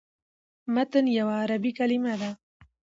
متن یوه عربي کلمه ده.